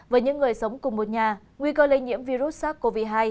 với những người sống cùng một nhà nguy cơ lây nhiễm virus sars cov hai